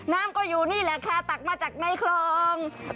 น้ำก็อยู่นี่แหละค่ะตักมาจากในคลอง